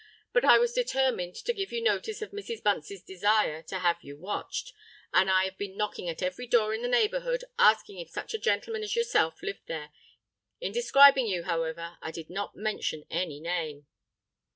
But I was determined to give you notice of Mrs. Bunce's desire to have you watched; and I have been knocking at every door in the neighbourhood, asking if such a gentleman as yourself lived there. In describing you, however, I did not mention any name."